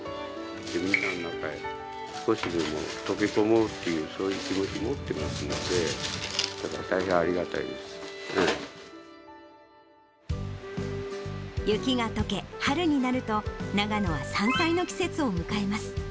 みんなの中に少しでも溶け込もうっていう、そういう気持ち持ってますんで、大変ありがたいで雪がとけ、春になると、長野は山菜の季節を迎えます。